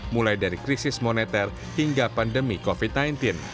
mulai dari krisis moneter hingga pandemi covid sembilan belas